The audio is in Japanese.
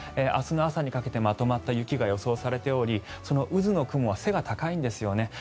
明日の朝にかけてまとまった雪が予想されておりその渦の雲が背が高いんですよね。